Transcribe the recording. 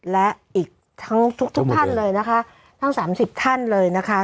และอีกทั้งทุกท่านเลยนะคะทั้งสามสิบท่านเลยนะคะ